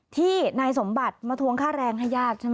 ที่นายสมบัติมาทวงค่าแรงให้ญาติใช่ไหม